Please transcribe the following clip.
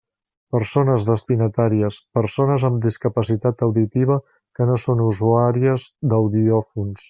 Persones destinatàries: persones amb discapacitat auditiva que no són usuàries d'audiòfons.